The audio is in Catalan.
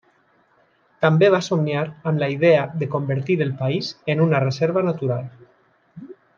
També va somniar amb la idea de convertir el país en una reserva natural.